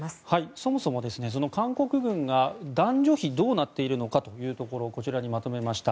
そもそも韓国軍の男女比がどうなっているのかこちらにまとめました。